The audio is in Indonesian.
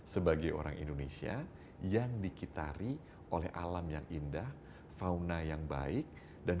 sebagai orang indonesia yang dikitari oleh alam yang indah fauna yang baik dan